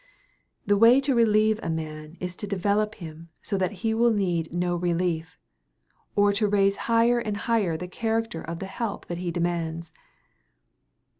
The way to relieve a man is to develop him so that he will need no relief, or to raise higher and higher the character of the help that he demands.